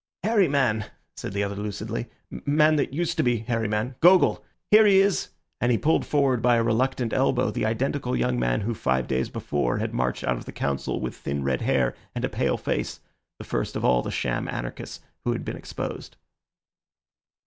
"Hairy man," said the other lucidly, "man that used to be hairy man—Gogol. Here he is," and he pulled forward by a reluctant elbow the identical young man who five days before had marched out of the Council with thin red hair and a pale face, the first of all the sham anarchists who had been exposed.